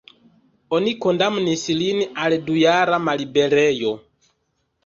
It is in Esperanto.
Oni kondamnis lin al dujara malliberejo.